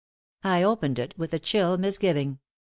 I opened it with a chill misgiving.